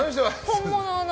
本物の。